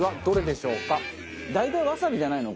大体わさびじゃないの？